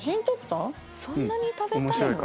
「そんなに食べたいの？」。